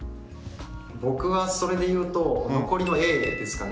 僕はそれでいうと残りのＡですかね。